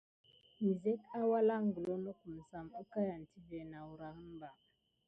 Nəzek alangla nokum sam əkayan tive nawrahən ɓa.